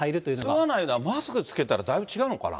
吸わないのはマスク着けたらだいぶ違うのかな？